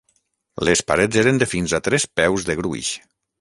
Les parets eren de fins a tres peus de gruix.